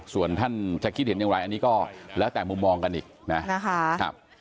ส่วนท่านจะคิดเห็นอย่างไรอันนี้ก็แล้วแต่มุมมองกันอีกนะนะคะ